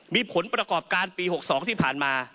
มีผลประกอบการปี๖๒ที่ผ่านมา